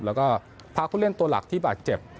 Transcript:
แล้วก็พาผู้เล่นตัวหลักที่บาดเจ็บ